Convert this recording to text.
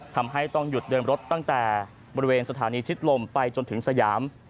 ทำให้ต้องหยุดเดินรถตั้งแต่บริเวณสถานีชิดลมไปจนถึงสยาม